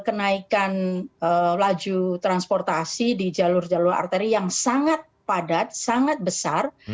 kenaikan laju transportasi di jalur jalur arteri yang sangat padat sangat besar